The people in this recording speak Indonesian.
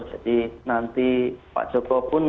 jadi nanti pak joko pun